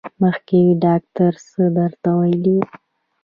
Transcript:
مخکې ډاکټر څه درته ویلي وو؟